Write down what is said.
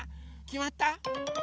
きまった？